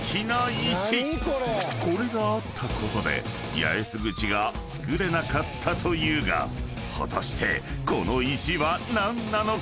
［これがあったことで八重洲口が造れなかったというが果たしてこの石は何なのか？］